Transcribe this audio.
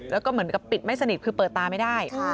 แล้วก็เหมือนกับปิดไม่สนิทคือเปิดตาไม่ได้